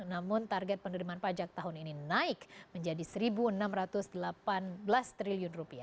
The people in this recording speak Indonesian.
namun target penerimaan pajak tahun ini naik menjadi rp satu enam ratus delapan belas triliun